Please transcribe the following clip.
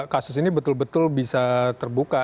kasus ini betul betul bisa terbuka